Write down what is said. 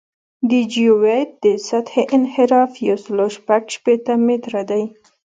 د جیوئید د سطحې انحراف یو سل شپږ شپېته متره دی